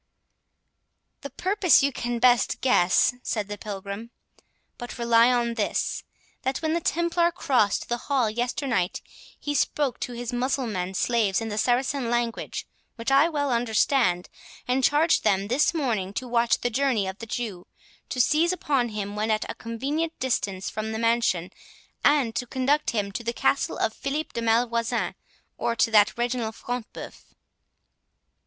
"The purpose you can best guess," said the Pilgrim; "but rely on this, that when the Templar crossed the hall yesternight, he spoke to his Mussulman slaves in the Saracen language, which I well understand, and charged them this morning to watch the journey of the Jew, to seize upon him when at a convenient distance from the mansion, and to conduct him to the castle of Philip de Malvoisin, or to that of Reginald Front de Bœuf."